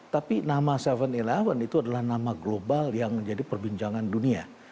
tapi nama tujuh sebelas itu adalah nama global yang menjadi perbincangan dunia